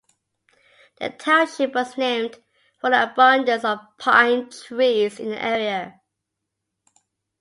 The township was named for the abundance of pine trees in the area.